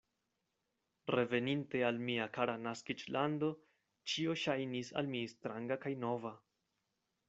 Reveninte al mia kara naskiĝlando, ĉio ŝajnis al mi stranga kaj nova.